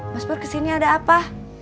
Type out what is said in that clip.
mas pur kesini ada apa